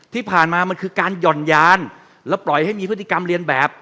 ที่ผ่านมามันคือการหย่อนยานแล้วปล่อยให้มีพฤติกรรมเรียนแบบ